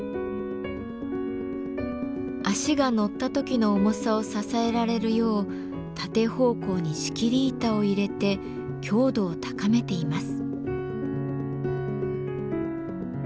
足が乗った時の重さを支えられるよう縦方向に仕切り板を入れて強度を高めています。